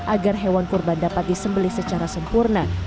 agar hewan kurban dapat disembeli secara sempurna